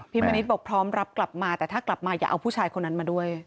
มณิษฐ์บอกพร้อมรับกลับมาแต่ถ้ากลับมาอย่าเอาผู้ชายคนนั้นมาด้วย